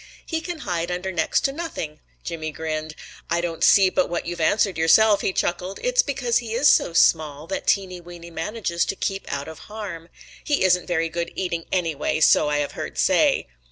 He can hide under next to nothing." Jimmy grinned. "I don't see but what you've answered yourself," he chuckled. "It's because he is so small that Teeny Weeny manages to keep out of harm. He isn't very good eating, anyway, so I have heard say."